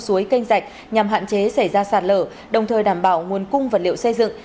suối canh rạch nhằm hạn chế xảy ra sạt lở đồng thời đảm bảo nguồn cung vật liệu xây dựng